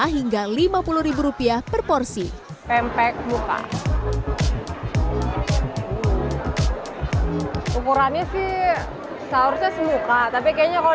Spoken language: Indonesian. lima hingga lima puluh rupiah per porsi pempek muka ukurannya sih sausnya semuka tapi kayaknya kalau